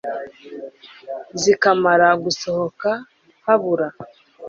Zikimara gusohoka habura